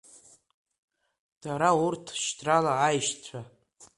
Дара урҭ шьҭрала аишьцәа…